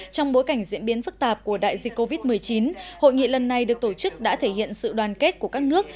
trong bối cảnh diễn biến phức tạp của đại dịch covid một mươi chín hội nghị lần này được tổ chức đã thể hiện sự đoàn kết của các nước